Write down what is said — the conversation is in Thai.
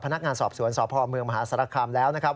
พนักงานสอบสวนสพเมืองมหาศาลคามแล้วนะครับ